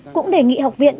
cũng đề nghị học viện